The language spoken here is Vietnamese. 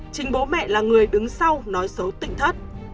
chính bố mẹ là người đứng sau nói xấu tỉnh thất